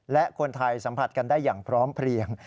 และคนไทยสัมผัสกันได้อย่างพร้อมเพลียง